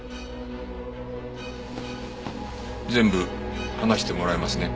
全部話してもらえますね。